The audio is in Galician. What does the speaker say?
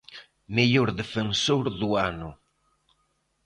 Mellor defensor do ano.